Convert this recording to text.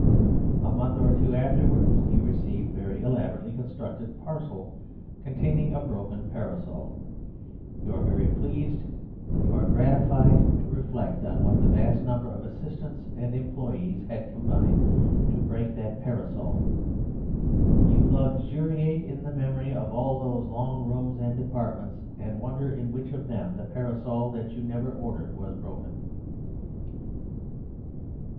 A month or two afterwards you receive a very elaborately constructed parcel, containing a broken parasol. You are very pleased. You are gratified to reflect on what a vast number of assistants and employees had combined to break that parasol. You luxuriate in the memory of all those long rooms and departments and wonder in which of them the parasol that you never ordered was broken.